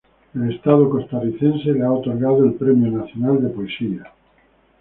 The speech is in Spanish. El Estado costarricense le ha otorgado el Premio Nacional de Poesía.